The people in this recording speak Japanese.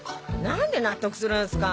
なんで納得するんすか。